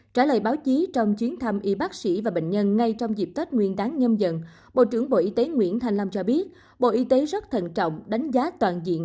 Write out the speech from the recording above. trả lời báo chí trong chuyến thăm y bác sĩ và bệnh nhân ngay trong dịp tết nguyên đáng nhâm dần bộ trưởng bộ y tế nguyễn thành long cho biết bộ y tế rất thận trọng đánh giá toàn diện